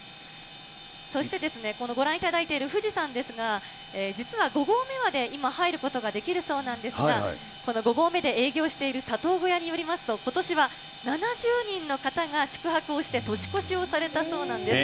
そしてですね、このご覧いただいている富士山ですが、実は５合目まで、今、入ることができるそうなんですが、この５合目で営業している佐藤小屋によりますと、今年は７０人の方が宿泊をして年越しをされたそうなんです。